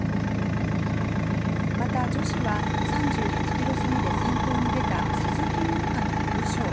また女子は３８キロ過ぎで先頭に出た鈴木優花が優勝。